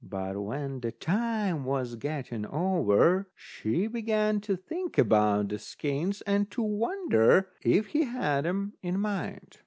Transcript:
But when the time was getting over, she began to think about the skeins and to wonder if he had 'em in mind.